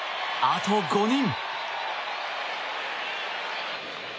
あと４人。